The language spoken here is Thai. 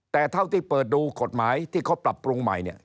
แต่เท่าที่เปิดดูกฎหมายที่เขาปรับปรุงใหม่เนี่ย